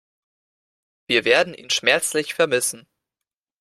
Wir werden ihn schmerzlich vermissen.